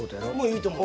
いいと思う。